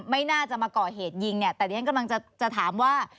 ไม่น่าจะมาก่อเหตุยิงเนี่ยแต่ที่ฉันกำลังจะถามว่า